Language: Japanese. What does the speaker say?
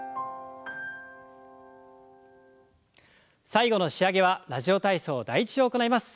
最後の仕上げは「ラジオ体操第１」を行います。